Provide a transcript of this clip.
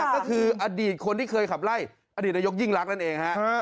ก็คืออดีตคนที่เคยขับไล่อดีตนายกยิ่งรักนั่นเองฮะ